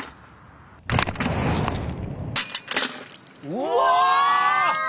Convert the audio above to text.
うわ！